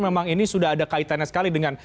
memang ini sudah ada kaitannya sekali dengan